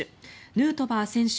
ヌートバー選手